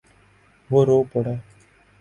وہ رو پڑا۔